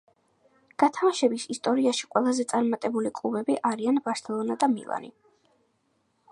გათამაშების ისტორიაში, ყველაზე წარმატებული კლუბები არიან „ბარსელონა“ და „მილანი“.